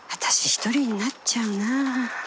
１人になっちゃうな。